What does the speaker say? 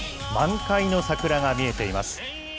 満開の桜が見えています。